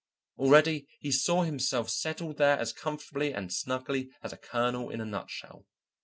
Already he saw himself settled there as comfortably and snugly as a kernel in a nutshell.